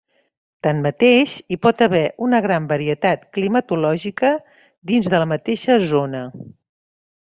Tanmateix, hi pot haver una gran varietat climatològica dins de la mateixa zona.